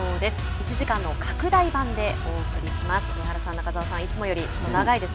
１時間の拡大版でお送りします。